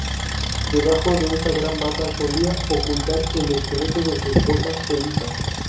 Debajo de esa gran bata solía ocultar el esqueleto de su esposa Eliza.